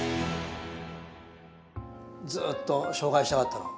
ずっと紹介したかったの？